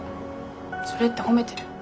それって褒めてる？